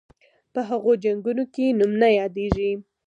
په هغو جنګونو کې نوم نه یادیږي.